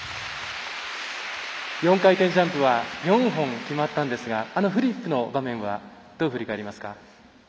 ４回転ジャンプは４本決まったんですがあのフリップの場面はどう振り返りますか？